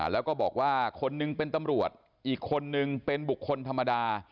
แล้วก็บอกว่าคนนึงเป็นตำรวจอีกคนนึงเป็นบุคคลธรรมดา